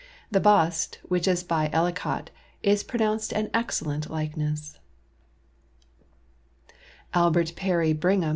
The bust, which is by Ellicott, is pronounced an excellent likeness. Albert Perry Brigii.